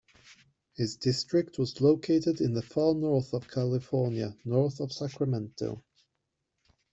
His district was located in the far north of California, north of Sacramento.